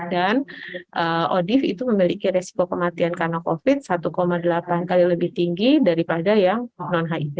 dan odif itu memiliki risiko kematian karena covid sembilan belas satu delapan kali lebih tinggi daripada yang non hiv